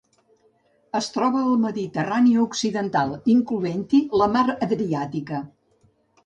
Es troba al Mediterrani occidental, incloent-hi la Mar Adriàtica.